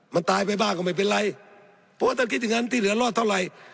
มันตายไปบ้างก็ไม่เป็นไรเพราะว่าท่านคิดอย่างนั้นที่เหลือรอดเท่าไหร่